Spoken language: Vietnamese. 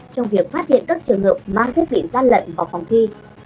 trong việc phát hiện các trường hợp mang thiết bị gian lận vào phòng thi